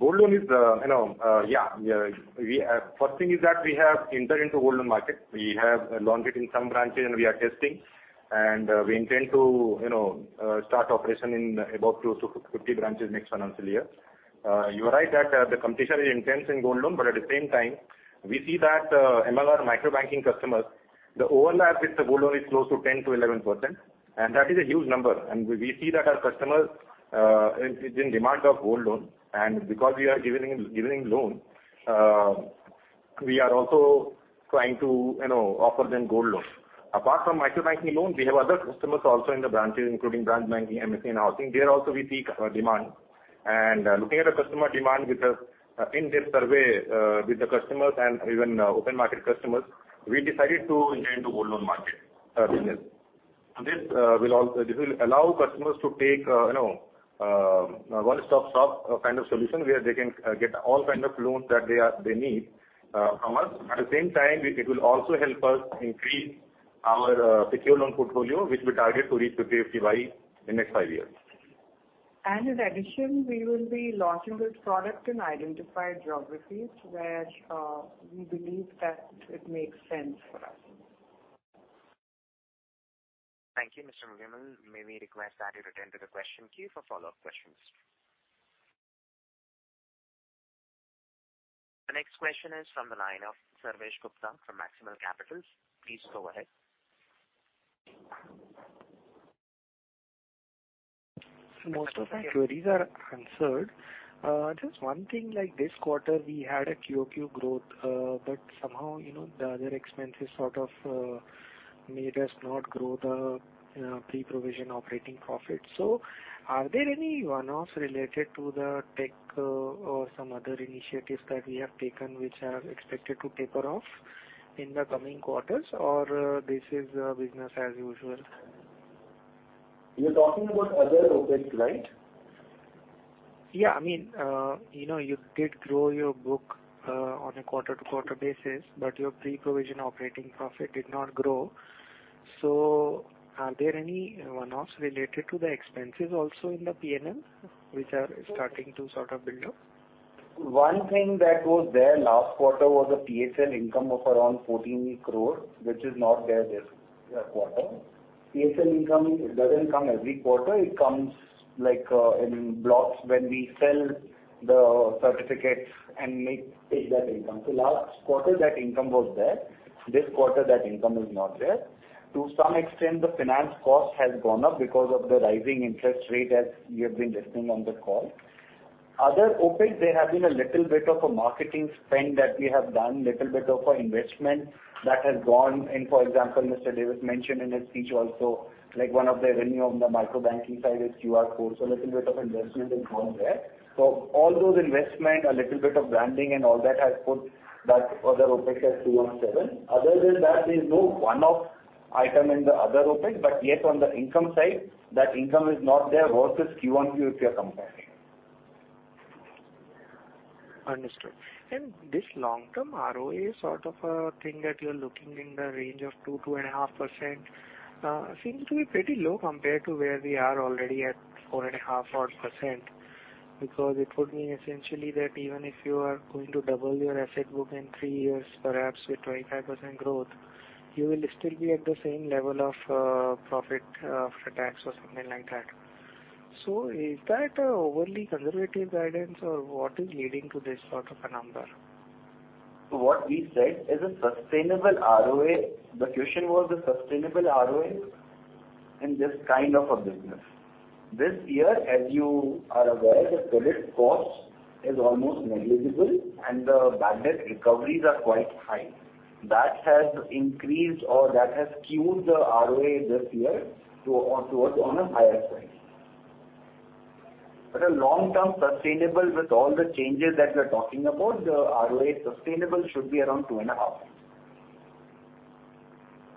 Gold loan is, you know, first thing is that we have entered into gold loan market. We have launched it in some branches and we are testing and we intend to, you know, start operation in about close to 50 branches next financial year. You are right that the competition is intense in gold loan, but at the same time we see that in our micro-banking customers, the overlap with the gold loan is close to 10%-11%, and that is a huge number. We, we see that our customers is in demand of gold loan. Because we are giving loan, we are also trying to, you know, offer them gold loans. Apart from micro banking loans, we have other customers also in the branches, including branch banking, MSE and housing. There also we see customer demand and looking at the customer demand In this survey, with the customers and even open market customers, we decided to enter into gold loan market business. This will allow customers to take, you know, one-stop shop kind of solution where they can get all kind of loans that they need from us. At the same time, it will also help us increase our secure loan portfolio, which we target to reach 50/50 by the next five years. In addition, we will be launching this product in identified geographies where, we believe that it makes sense for us. Thank you, Mr. Vimal. May we request that you return to the question queue for follow-up questions. The next question is from the line of Sarvesh Gupta from Maximal Capital. Please go ahead. Most of my queries are answered. Just one thing, like this quarter we had a QoQ growth, but somehow, you know, the other expenses sort of made us not grow the pre-provision operating profit. Are there any one-offs related to the tech or some other initiatives that we have taken which are expected to taper off in the coming quarters, or this is business as usual? You're talking about other OpEx, right? I mean, you know, you did grow your book on a quarter-to-quarter basis, but your pre-provision operating profit did not grow. Are there any one-offs related to the expenses also in the P&L which are starting to sort of build up? One thing that was there last quarter was a PSL income of around 14 crore. It is not there this quarter. PSL income, it doesn't come every quarter. It comes like in blocks when we sell the certificates and take that income. Last quarter that income was there. This quarter that income is not there. To some extent, the finance cost has gone up because of the rising interest rate, as you have been listening on the call. Other OpEx, there have been a little bit of a marketing spend that we have done, little bit of investment that has gone in. For example, Mr. Davis mentioned in his speech also like one of the revenue on the micro banking side is QR code. Little bit of investment has gone there. All those investment, a little bit of branding and all that has put that other OpEx at 217 crore. Other than that, there is no one-off item in the other OpEx. Yes, on the income side, that income is not there versus QoQ if you're comparing. Understood. This long-term ROA sort of a thing that you're looking in the range of 2%-2.5%, seems to be pretty low compared to where we are already at 4.5% odd, because it would mean essentially that even if you are going to double your asset book in three years, perhaps with 25% growth, you will still be at the same level of profit after tax or something like that. Is that a overly conservative guidance or what is leading to this sort of a number? What we said is a sustainable ROA. The question was the sustainable ROA in this kind of a business. This year, as you are aware, the credit cost is almost negligible and the bad debt recoveries are quite high. That has increased or that has skewed the ROA this year towards on a higher side. A long-term sustainable with all the changes that we're talking about, the ROA sustainable should be around 2.5%.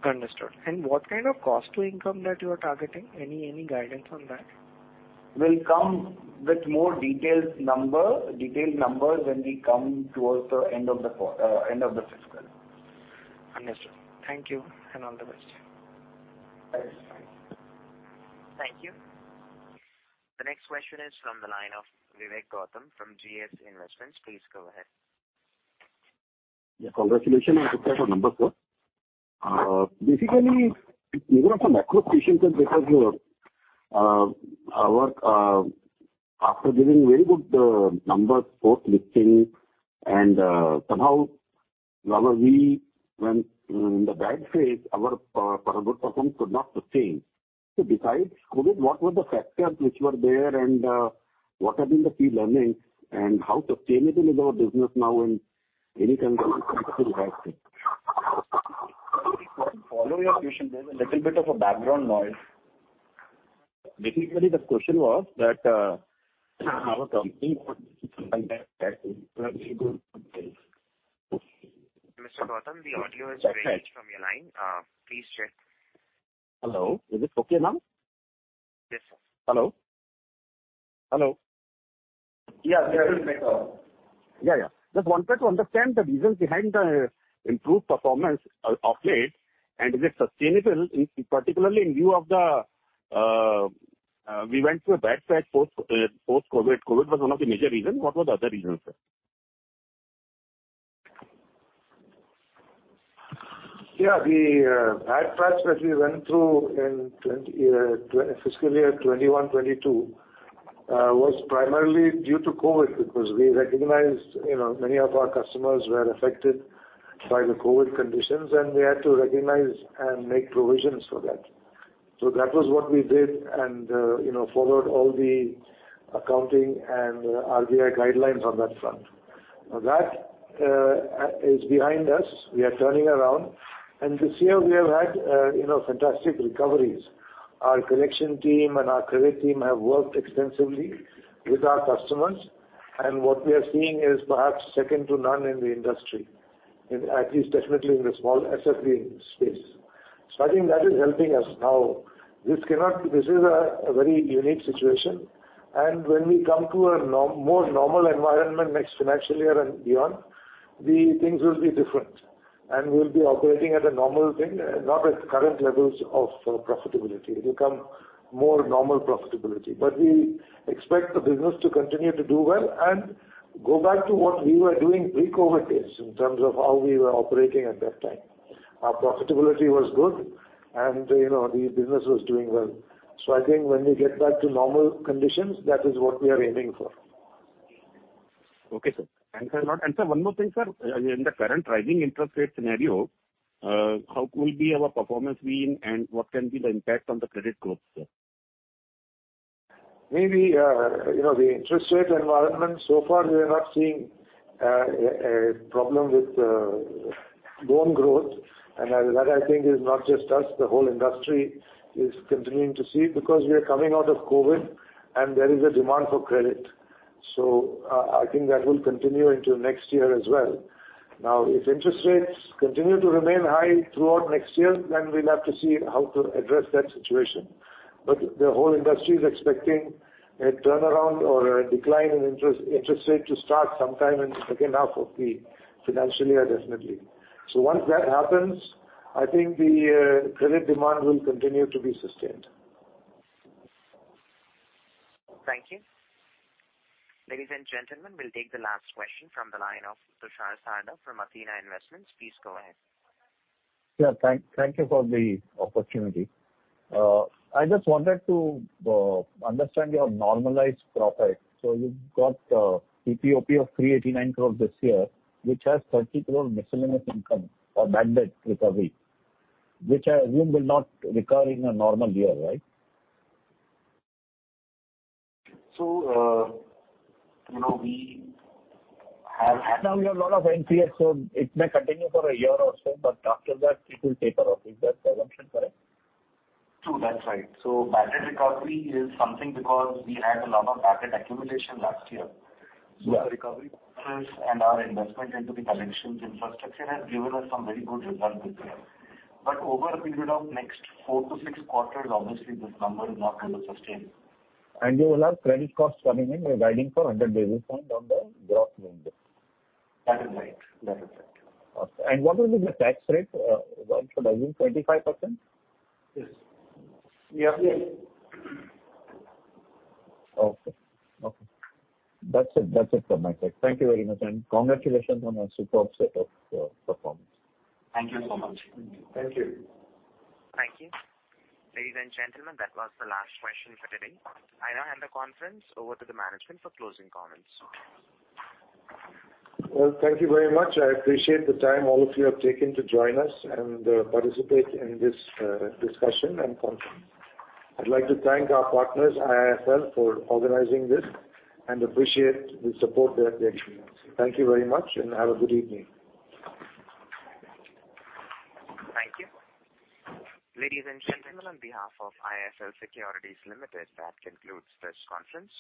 Understood. What kind of cost-to-income that you are targeting? Any guidance on that? We'll come with more detailed numbers when we come towards the end of the fiscal. Understood. Thank you and all the best. Thanks. Thank you. The next question is from the line of Vivek Gautam from GS Investment. Please go ahead. Yeah. Congratulations, numbers, sir. Basically even from a macro perspective, because you, our, after giving very good numbers, post listing, and somehow while we when in the bad phase, our performance could not sustain. Besides COVID, what were the factors which were there and what have been the key learnings and how sustainable is our business now and any concenr you still have, sir? We couldn't follow your question, there's a little bit of a background noise. Basically, the question was that, our company— Mr. Gautam, the audio is breaking from your line. Please check. Hello. Is it okay now? Hello? Yeah, we are good, sir. Yeah, yeah. Just wanted to understand the reasons behind the improved performance, of late, and is it sustainable in, particularly in view of the, we went through a bad patch post-COVID? COVID was one of the major reasons. What were the other reasons, sir? Yeah. The bad patch that we went through in fiscal year 2021-2022 was primarily due to COVID, because we recognized, you know, many of our customers were affected by the COVID conditions, and we had to recognize and make provisions for that. That was what we did and, you know, followed all the accounting and RBI guidelines on that front. That is behind us. We are turning around. This year we have had, you know, fantastic recoveries. Our collection team and our credit team have worked extensively with our customers, and what we are seeing is perhaps second to none in the industry, at least definitely in the small SFB space. I think that is helping us. Now, this cannot... This is a very unique situation. When we come to a more normal environment next financial year and beyond, the things will be different. We'll be operating at a normal thing, not at current levels of profitability. It'll become more normal profitability. We expect the business to continue to do well and go back to what we were doing pre-COVID days in terms of how we were operating at that time. Our profitability was good, you know, the business was doing well. I think when we get back to normal conditions, that is what we are aiming for. Okay, sir. Thanks a lot. Sir, one more thing, sir. In the current rising interest rate scenario, how could be our performance be and what can be the impact on the credit growth, sir? Maybe, you know, the interest rate environment, so far we are not seeing a problem with loan growth. That I think is not just us, the whole industry is continuing to see because we are coming out of COVID and there is a demand for credit. I think that will continue into next year as well. If interest rates continue to remain high throughout next year, then we'll have to see how to address that situation. The whole industry is expecting a turnaround or a decline in interest rate to start sometime in the second half of the financial year, definitely. Once that happens, I think the credit demand will continue to be sustained. Thank you. Ladies and gentlemen, we'll take the last question from the line of Tushar Sarda from Athena Investment. Please go ahead. Yeah. Thank you for the opportunity. I just wanted to understand your normalized profit. You've got PPOP of 389 crores this year, which has 30 crores miscellaneous income or bad debt recovery, which I assume will not recur in a normal year, right? You know, we have— You have a lot of NPA, so it may continue for a year or so, but after that it will taper off. Is that assumption correct? True. That's right. Bad debt recovery is something because we had a lot of bad debt accumulation last year. The recovery and our investment into the collections infrastructure has given us some very good results this year. Over a period of next four to six quarters, obviously this number is not going to sustain. You will have credit costs coming in. You're guiding for 100 basis point on the gross numbers? That is right. That is right. Okay. What would be the tax rate, one should assume 25%? Yes. We have— Okay. Okay. That's it from my side. Thank you very much. Congratulations on a superb set of performance. Thank you so much. Thank you. Thank you. Ladies and gentlemen, that was the last question for today. I now hand the conference over to the management for closing comments. Well, thank you very much. I appreciate the time all of you have taken to join us and participate in this discussion and conference. I'd like to thank our partners, IIFL, for organizing this and appreciate the support they're giving us. Thank you very much and have a good evening. Thank you. Ladies and gentlemen, on behalf of IIFL Securities Limited, that concludes this conference.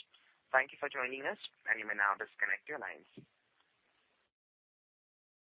Thank you for joining us, you may now disconnect your lines.